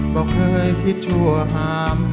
เบาเคยคิดชัวร์